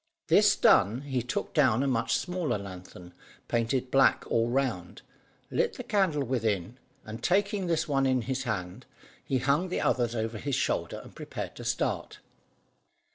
This done he took down a much smaller lanthorn, painted black all round, lit the candle within, and, taking this one in his hand, he hung the others over his shoulder, and prepared to start.